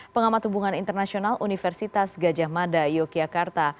pengamat hubungan internasional universitas gajah mada yogyakarta